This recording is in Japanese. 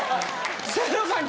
清野さん